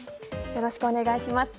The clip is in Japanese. よろしくお願いします。